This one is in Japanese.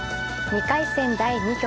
２回戦第２局。